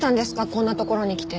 こんな所に来て。